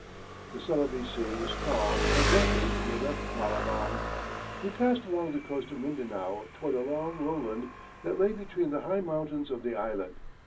The Celebes Sea was calm and lovely when we left Malabang. We passed along the coast of Mindanao toward a long lowland that lay between the high mountains of the island.